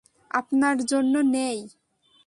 আপনার জন্য নেই।